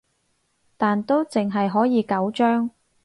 但都淨係可以九張